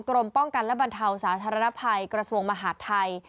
กรมป้องกันและบรรเทาสาธารณภัยกระทรวงมหาดไทย